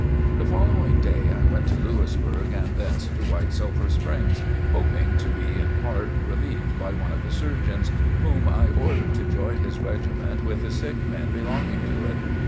The following day I went to Lewisburg and thence to White Sulphur Springs, hoping to be in part relieved by one of the surgeons, whom I ordered to join his regiment with the sick men belonging to it.